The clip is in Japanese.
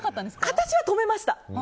私は止めました。